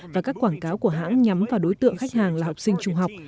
và các quảng cáo của hãng nhắm vào đối tượng khách hàng là học sinh trung học